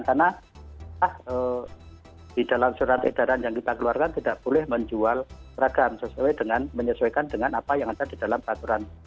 karena di dalam surat edaran yang kita keluarkan tidak boleh menjual seragam sesuai dengan menyesuaikan dengan apa yang ada di dalam aturan